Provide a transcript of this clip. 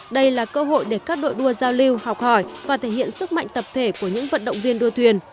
đây là cơ hội để các đội đua giao lưu học hỏi và thể hiện sức mạnh tập thể của những vận động viên đua thuyền